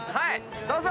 どうぞ！